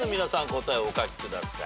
答えをお書きください。